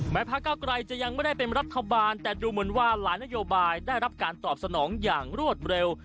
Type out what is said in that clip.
พระเก้าไกรจะยังไม่ได้เป็นรัฐบาลแต่ดูเหมือนว่าหลายนโยบายได้รับการตอบสนองอย่างรวดเร็ว